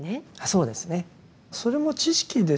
そうですね。